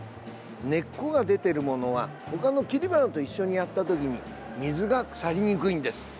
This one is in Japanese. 根っこが出ているものはほかの切り花と一緒にやったとき水が腐りにくいんです。